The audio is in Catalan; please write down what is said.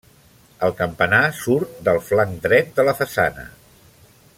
El campanar surt del flanc dret de la façana.